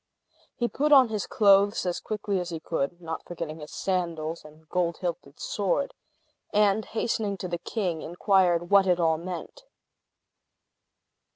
He put on his clothes as quickly as he could (not forgetting his sandals and gold hilted sword), and, hastening to the king, inquired what it all meant.